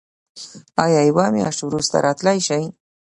ایا یوه میاشت وروسته راتلی شئ؟